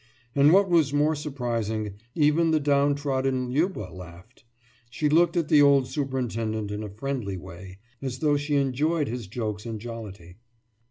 And what was more surprising, even the downtrodden Liuba laughed. She looked at the old superintendent in a friendly way, as though she enjoyed his jokes and jollity.